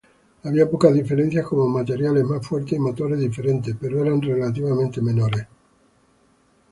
Había pocas diferencias, como materiales más fuertes y motores diferentes, pero eran relativamente menores.